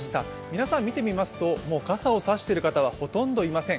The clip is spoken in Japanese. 皆さん見てみますと、傘を差している方はほとんどいません。